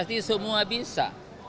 pasti semua bisa